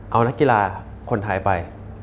เอานักกีฬาคนไทยไป